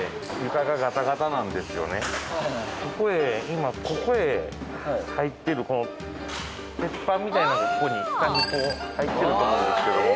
今ここへ入ってるこの鉄板みたいなのがここに下にこう入ってると思うんですけども。